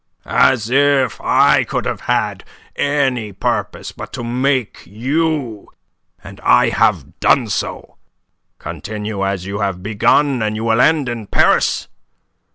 As if I could have had any purpose but to make you; and I have done so. Continue as you have begun, and you will end in Paris.